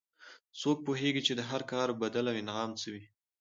څوک پوهیږي چې د هر کار بدل او انعام څه وي